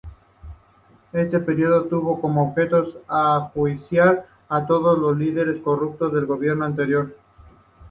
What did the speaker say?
Este período tuvo como objetivo enjuiciar a todos los líderes corruptos del gobierno anterior.